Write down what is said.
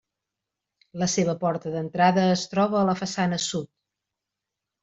La seva porta d'entrada es troba a la façana sud.